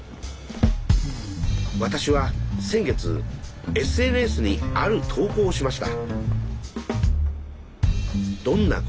私は先月ＳＮＳにある投稿をしました。